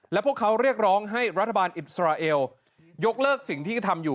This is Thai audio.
และพวกเขาเรียกร้องให้รัฐบาลอิสราเอลยกเลิกสิ่งที่ทำอยู่